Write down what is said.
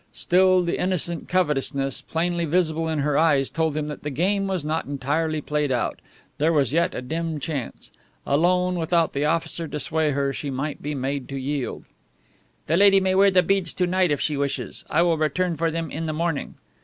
Still, the innocent covetousness, plainly visible in her eyes, told him that the game was not entirely played out; there was yet a dim chance. Alone, without the officer to sway her, she might be made to yield. "The lady may wear the beads to night if she wishes. I will return for them in the morning."